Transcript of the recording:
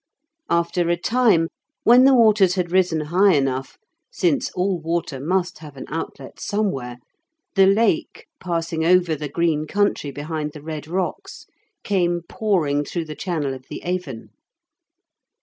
After a time, when the waters had risen high enough, since all water must have an outlet somewhere, the Lake, passing over the green country behind the Red Rocks, came pouring through the channel of the Avon.